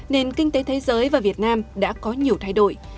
nền kinh tế thế giới và việt nam đã có nhiều thay đổi